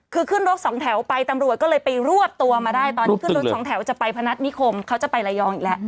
คือขึ้นรถสองแถวไปตำรวจก็เลยไปรวบตัวมาได้ตอนนี้ขึ้นรถสองแถวจะไปพนัฐนิคมเขาจะไประยองอีกแล้ว